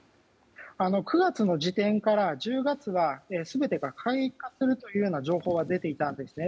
９月の時点から１０月は全てが解放されるという情報が出ていたんですね。